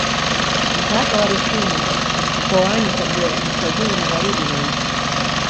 Mpaka wa Rusumo mkoani Kagera kaskazini magharibi mwa nchi